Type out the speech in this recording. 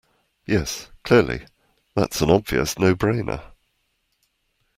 Yes, clearly, that's an obvious no-brainer